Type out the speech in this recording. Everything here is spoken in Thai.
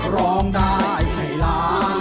ร้องได้ให้ล้าน